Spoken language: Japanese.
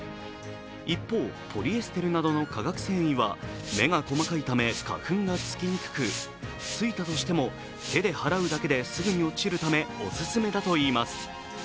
一方、ポリエステルなどの化学繊維は目が細かいため、花粉がつきにくくついたとしても手で払うだけですぐに落ちるためお勧めだといいます。